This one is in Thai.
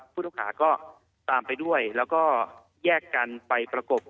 ผู้ต้องหาก็ตามไปด้วยแล้วก็แยกกันไปประกบ